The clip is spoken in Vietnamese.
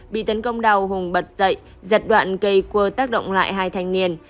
bị tấn công đào hùng bật dậy giật đoạn cây cua tác động lại hai thanh niên